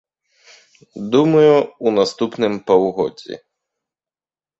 Думаю, у наступным паўгоддзі.